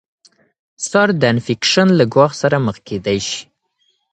سر د انفیکشن له ګواښ سره مخ کیدای شي.